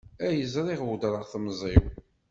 Ay ẓriɣ weddreɣ temẓi-w.